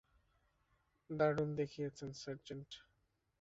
দারুণ দেখিয়েছেন, সার্জেন্ট।